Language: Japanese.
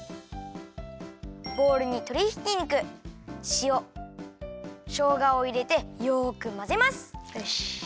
ボウルにとりひき肉しおしょうがをいれてよくまぜます。